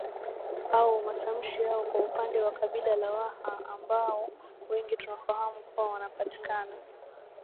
au matamshi yao Kwa upande wa kabila la Waha ambao wengi tunafahamu kuwa wanapatikana